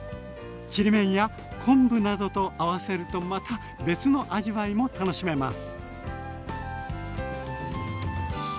ちりめんや昆布などと合わせるとまた別の味わいも楽しめます。